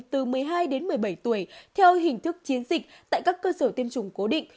từ một mươi hai đến một mươi bảy tuổi theo hình thức chiến dịch tại các cơ sở tiêm chủng cố định